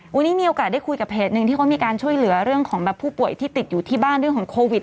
วันนี้มีโอกาสได้คุยกับเพจหนึ่งที่เขามีการช่วยเหลือเรื่องของแบบผู้ป่วยที่ติดอยู่ที่บ้านเรื่องของโควิด